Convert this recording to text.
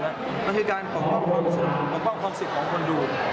และคือการปกป้องความสุขปกป้องความสุขของคนดูด